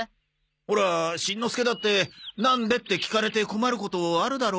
ほらしんのすけだって「なんで」って聞かれて困ることあるだろ？